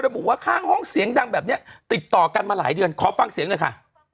ว่าข้างห้องเสียงดังแบบนี้ติดต่อกันมาหลายเดือนขอฟังเสียงหน่อยค่ะ